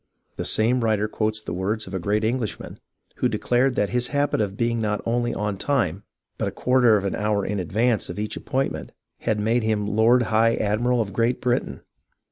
The same writer quotes the words of a great Englishman, who declared that his habit of being not only on time but a quarter of an hour in advance of each appointment had made him lord high admiral of Great Britain.